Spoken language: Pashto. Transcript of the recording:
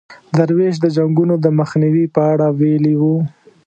درویش د جنګونو د مخنیوي په اړه ویلي وو.